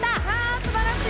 すばらしい！